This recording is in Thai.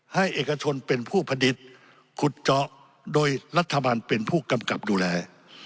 เอกชนเป็นผู้ผลิตขุดเจาะโดยรัฐบาลเป็นผู้กำกับดูแล